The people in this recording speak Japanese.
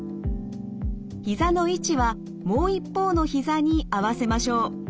ひざの位置はもう一方のひざに合わせましょう。